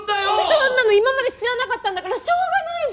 そんなの今まで知らなかったんだからしょうがないじゃん！